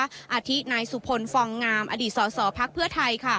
อาทินายสุพลฟองงามอดีตสสพไทย